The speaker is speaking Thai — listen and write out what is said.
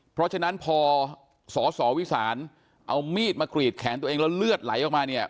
เพราะฉะนั้นพอสสวิสานเอามีดมากรีดแขนตัวเองแล้วเลือดไหลออกมาเนี่ย